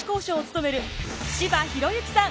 柴裕之さん！